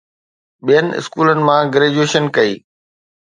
ٻين اسڪولن مان گريجوئيشن ڪئي؟